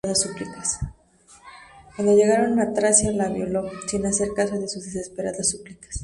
Cuando llegaron a Tracia la violó, sin hacer caso de sus desesperadas súplicas.